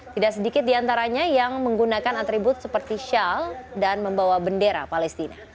tidak sedikit diantaranya yang menggunakan atribut seperti shawl dan membawa bendera palestina